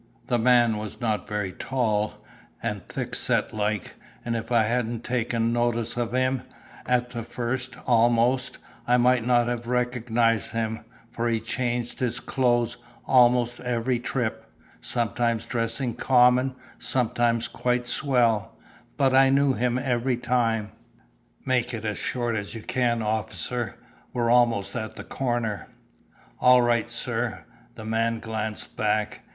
The man was not very tall, and thick set like, and if I hadn't taken notice of him, at the first, almost, I might not have recognised him, for he changed his clothes almost every trip; sometimes dressing common, sometimes quite swell; but I knew him every time." "Make it as short as you can, officer; we're almost at the corner." "All right, sir." The man glanced back.